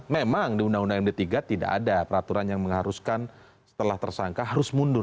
memang di undang undang md tiga tidak ada peraturan yang mengharuskan setelah tersangka harus mundur